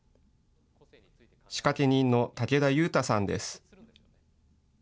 仕掛け人の武田悠太さんです。